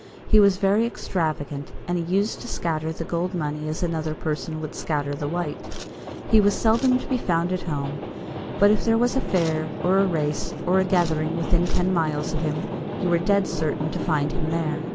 He was very extravagant, and he used to scatter the gold money as another person would scatter the white. He was seldom to be found at home, but if there was a fair, or a race, or a gathering within ten miles of him, you were dead certain to find him there.